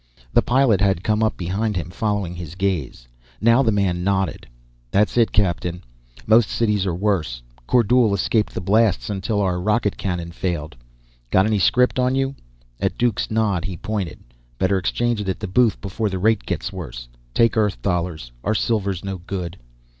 The pilot had come up behind him, following his gaze. Now the man nodded. "That's it, captain. Most cities are worse. Kordule escaped the blasts until our rocket cannon failed. Got any script on you?" At Duke's nod, he pointed. "Better exchange it at the booth, before the rate gets worse. Take Earth dollars. Our silver's no good."